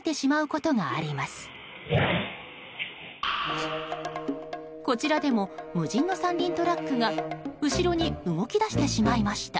こちらでも無人の三輪トラックが後ろに動き出してしまいました。